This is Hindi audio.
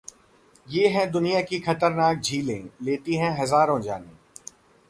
ये हैं दुनिया की खतरनाक झीलें, लेती है हजारों जानें...